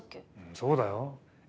そうだよ。え？